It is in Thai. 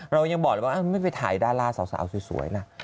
เรายังบอกว่าไม่ทายดาราเสาสวยละ